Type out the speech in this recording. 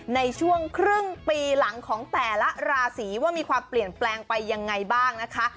ในช่วงครึ่งปีหลังของแต่ละราศีว่ามีความเปลี่ยนแปลงไปยังไงบ้างนะคะ